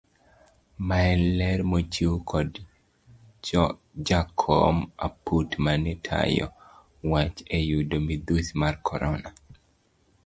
Maen ler mochiw kod jakom aput mane tayo wach eyudo midhusi mar korona.